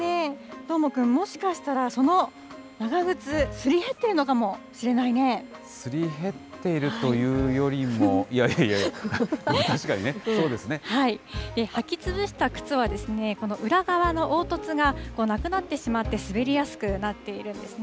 どーもくん、もしかしたら、その長靴、すり減っているのかもしれすり減っているというよりも、履きつぶした靴は、裏側の凹凸がなくなってしまって、滑りやすくなっているんですね。